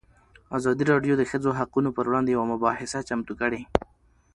ازادي راډیو د د ښځو حقونه پر وړاندې یوه مباحثه چمتو کړې.